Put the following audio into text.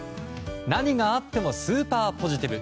何があってもスーパーポジティブ。